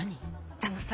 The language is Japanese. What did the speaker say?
あのさ。